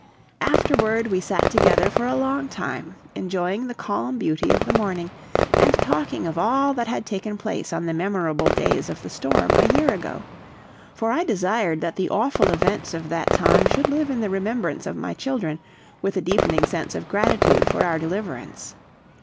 Afterward we sat together for a long time, enjoying the calm beauty of the morning, and talking of all that had taken place on the memorable days of the storm a year ago; for I desired that the awful events of that time should live in the remembrance of my children with a deepening sense of gratitude for our deliverance.